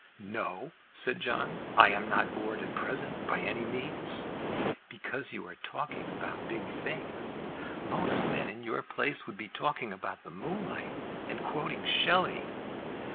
"No," said John; "I am not bored at present, by any means." "Because you are talking about big things. Most men in your place would be talking about the moonlight, and quoting Shelley."